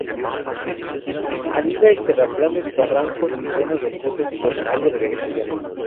Anida en terraplenes, barrancos y zonas rocosas con algo de vegetación.